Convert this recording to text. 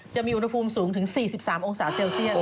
จะมีอุณหภูมิสูงถึง๔๓องศาเซลเซียส